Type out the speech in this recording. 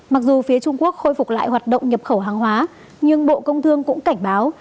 mặc dù phía trung quốc khôi phục lại hoạt động nhập khẩu hàng hóa nhưng bộ công thương cũng cảnh báo